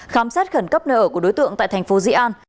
khám xét khẩn cấp nơi ở của đối tượng tại thành phố dị an